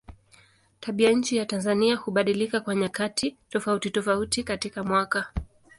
Tabianchi ya Tanzania hubadilika kwa nyakati tofautitofauti katika mwaka.